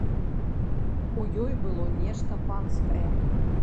У ёй было нешта панскае.